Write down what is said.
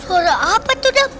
suara apa tuh dam